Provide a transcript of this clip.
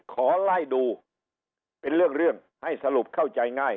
ขอไล่ดูเป็นเรื่องให้สรุปเข้าใจง่าย